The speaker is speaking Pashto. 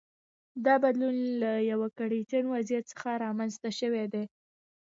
دا بدلون له یوه کړکېچن وضعیت څخه رامنځته شوی دی